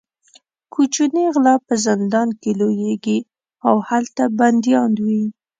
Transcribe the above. کوچني غله په زندان کې لویېږي او هلته بندیان وي.